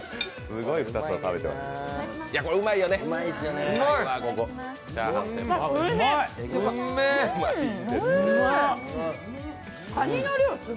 すごい２つを食べてます。